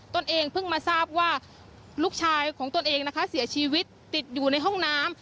ตนเองเพิ่งมาทราบว่าลูกชายของตนเองนะคะเสียชีวิตติดอยู่ในห้องน้ำ